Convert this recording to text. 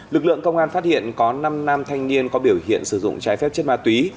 lực lượng công an phát hiện có năm nam thanh niên có biểu hiện sử dụng trái phép chất ma túy